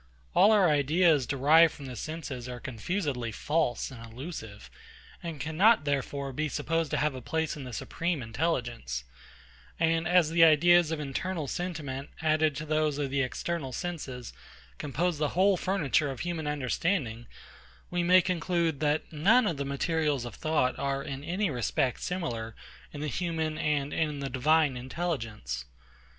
All our ideas, derived from the senses, are confessedly false and illusive; and cannot therefore be supposed to have place in a supreme intelligence: And as the ideas of internal sentiment, added to those of the external senses, compose the whole furniture of human understanding, we may conclude, that none of the materials of thought are in any respect similar in the human and in the divine intelligence.